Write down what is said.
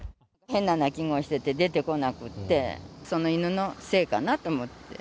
変な鳴き声してて出てこなくて、その犬のせいかなと思って。